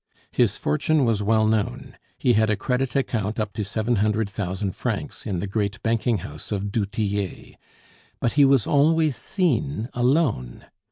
His fortune was well known; he had a credit account up to seven hundred thousand francs in the great banking house of du Tillet; but he was always seen alone.